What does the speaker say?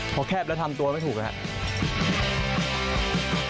พอแคบแล้วทำตัวไม่ถูกนะครับ